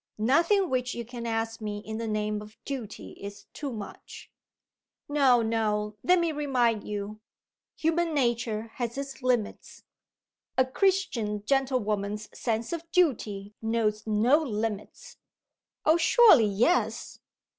"Nothing which you can ask me in the name of duty is too much." "No! no! Let me remind you. Human nature has its limits." "A Christian gentlewoman's sense of duty knows no limits." "Oh, surely yes!"